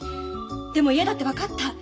でも嫌だって分かった。